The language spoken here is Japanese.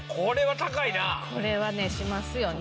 これはねしますよね